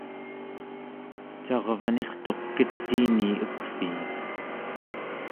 carvanirtuq ketiini ekviim